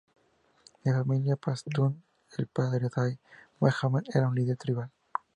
De familia pastún, el padre de Said Mohammad era un líder tribal.